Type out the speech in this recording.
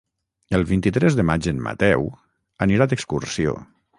El vint-i-tres de maig en Mateu anirà d'excursió.